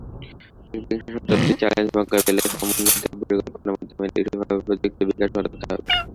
একবিংশ শতাব্দীর চ্যালেঞ্জ মোকাবিলায় সমন্বিত পরিকল্পনার মাধ্যমে দেশীয়ভাবে প্রযুক্তির বিকাশ ঘটাতে হবে।